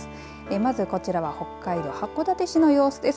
まずこちらは北海道函館市の様子です。